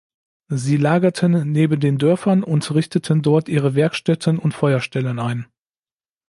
Sie lagerten neben den Dörfern und richteten dort ihre Werkstätten und Feuerstellen ein.